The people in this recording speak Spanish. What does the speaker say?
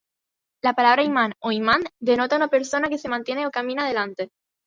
La palabra "Imam o Imán" denota una persona que se mantiene o camina "delante".